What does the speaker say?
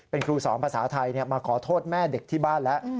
เป็นครูสอนภาษาไทยมาขอโทษแม่เด็กที่บ้านแล้ว